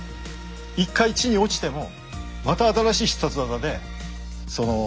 一回地に落ちてもまた新しい必殺技でその怪人を倒す。